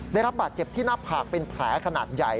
ได้รับบาดเจ็บที่หน้าผากเป็นแผลขนาดใหญ่